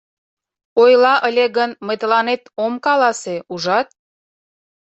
— Ойла ыле гын, мый тыланет ом каласе, ужат?